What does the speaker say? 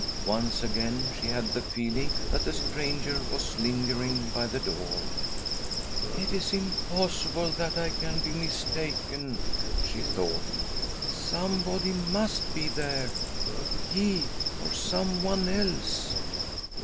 Once again she had the feeling that a stranger was lingering by the door. " It's impossible that I can be mistaken," she thought ;" somebody must be there — he or someone else."